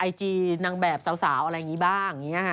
ไอจีนางแบบสาวอะไรอย่างนี้บ้าง